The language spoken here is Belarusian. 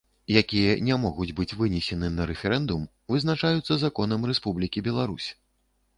Якія не могуць быць вынесены на рэферэндум, вызначаюцца законам Рэспублікі Беларусь.